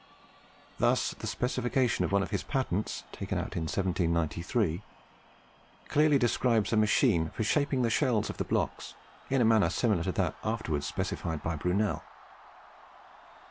Thus the specification of one of his patents, taken out in 1793, clearly describes a machine for shaping the shells of the blocks, in a manner similar to that afterwards specified by Brunel.